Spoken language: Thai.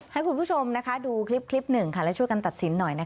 ให้คุณผู้ชมดูคลิปหนึ่งและช่วยกันตัดสินหน่อย